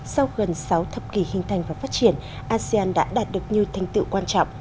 sau gần sáu thập kỷ hình thành và phát triển asean đã đạt được nhiều thành tựu quan trọng